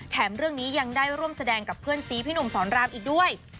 เรื่องนี้ยังได้ร่วมแสดงกับเพื่อนซีพี่หนุ่มสอนรามอีกด้วย